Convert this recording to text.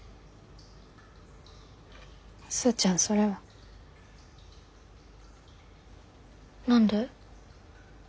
スーちゃんそれは。何で？